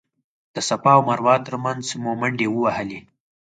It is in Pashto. د صفا او مروه تر مینځ مو منډې ووهلې.